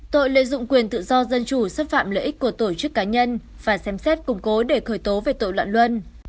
tội lợi dụng quyền tự do dân chủ xâm phạm lợi ích của tổ chức cá nhân phải xem xét củng cố để khởi tố về tội loạn luân